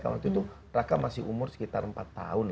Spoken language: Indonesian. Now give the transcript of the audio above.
waktu itu raka masih umur sekitar empat tahun